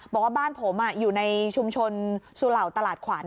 บอกว่าบ้านผมอยู่ในชุมชนสุเหล่าตลาดขวัญ